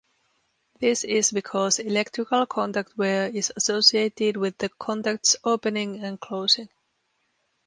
This is because electrical contact wear is associated with the contacts opening and closing.